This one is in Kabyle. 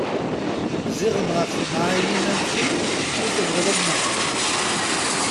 Ziɣen ɣef temɛayin am ti i tebɣiḍ ad nehder.